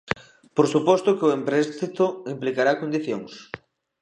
Por suposto que o empréstito implicará condicións.